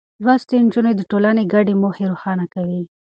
لوستې نجونې د ټولنې ګډې موخې روښانه کوي.